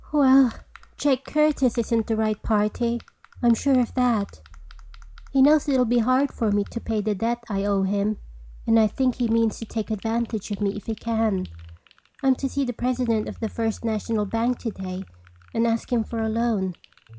"Well, Jake Curtis isn't the right party. I'm sure of that. He knows it will be hard for me to pay the debt I owe him and I think he means to take advantage of me if he can. I'm to see the president of the First National bank today and ask him for a loan.